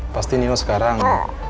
pasti nio sekarang